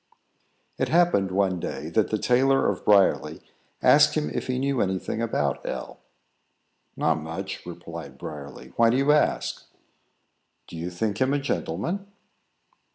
It happened, one day, that the tailor of Briarly asked him if he knew any thing about L . "Not much," replied Briarly. "Why do you ask?" "Do you think him a gentleman?"